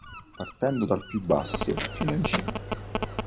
Partendo dal più basso fino in cima.